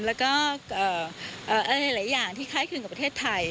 แล้วก็อะไรหลายอย่างที่คล้ายคลึงกับประเทศไทย